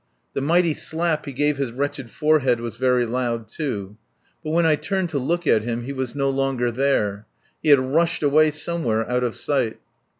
The mighty slap he gave his wretched forehead was very loud, too. But when I turned to look at him he was no longer there. He had rushed away somewhere out of sight.